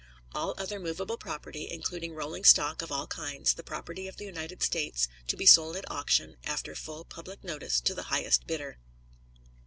All other movable property, including rolling stock of all kinds, the property of the United States, to be sold at auction, after full public notice, to the highest bidder.